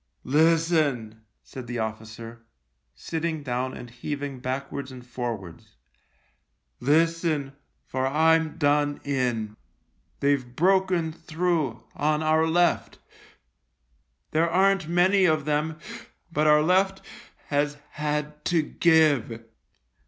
" Listen," said the officer, sitting down and heaving backwards and forwards. " Listen, for I'm done in. They've broken through on our left. There aren't many of them, but our left has had to give."